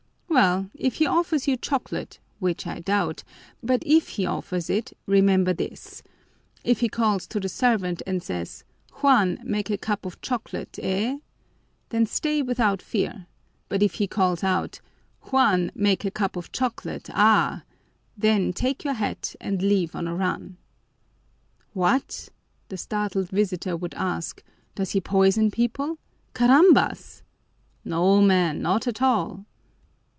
Well, if he offers you chocolate which I doubt but if he offers it remember this: if he calls to the servant and says, 'Juan, make a cup of chocolate, eh!' then stay without fear; but if he calls out, 'Juan, make a cup of chocolate, ah!' then take your hat and leave on a run." "What!" the startled visitor would ask, "does he poison people? Carambas!" "No, man, not at all!"